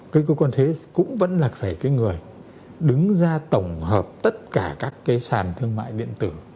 cái cơ quan thuế cũng vẫn là phải cái người đứng ra tổng hợp tất cả các cái sàn thương mại điện tử